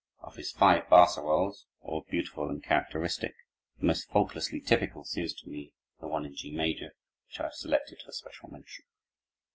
Of his five barcarolles, all beautiful and characteristic, the most faultlessly typical seems to me the one in G major which I have selected for special mention.